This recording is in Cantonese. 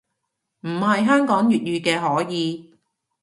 唔係香港粵語嘅可以